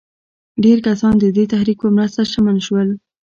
ډېر کسان د دې تحرک په مرسته شتمن شول.